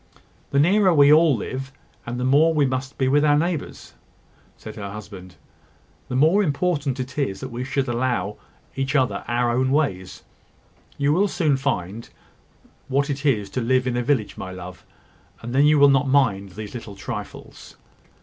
"The nearer we all live, and the more we must be with our neighbours," said her husband, "the more important it is that we should allow each other our own ways. You will soon find what it is to live in a village, my love; and then you will not mind these little trifles."